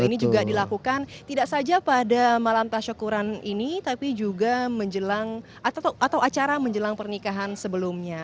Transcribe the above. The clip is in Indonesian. ini juga dilakukan tidak saja pada malam tasyukuran ini tapi juga menjelang atau acara menjelang pernikahan sebelumnya